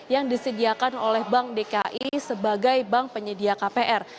yang disediakan oleh bank dki sebagai bank penyedia kpr